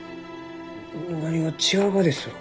何が違うがですろう？